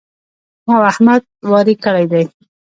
ما او احمد واری کړی دی.